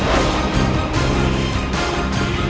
saya akan menjaga kebenaran raden